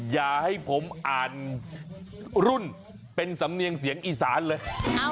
อย่าให้ผมอ่านรุ่นเป็นสำเนียงเสียงอีสานเลย